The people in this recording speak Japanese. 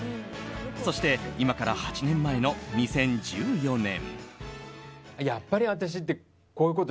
そして、今から８年前の２０１４年。